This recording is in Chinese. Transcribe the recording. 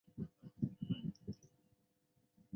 当时的藩厅为会津若松城。